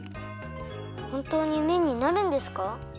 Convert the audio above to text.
ほんとうにめんになるんですか？